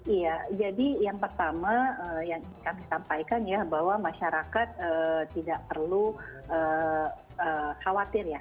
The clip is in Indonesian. iya jadi yang pertama yang kami sampaikan ya bahwa masyarakat tidak perlu khawatir ya